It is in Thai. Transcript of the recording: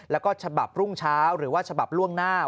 แล้วก็ฉบับรุ่งเช้าหรือว่าฉบับล่วงหน้า